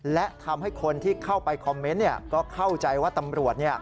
และทำให้คนที่เข้าไปคอมเมนต์ก็เข้าใจว่าตำรวจ